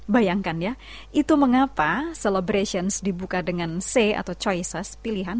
bayangkan ya itu mengapa celebrations dibuka dengan c atau choices pilihan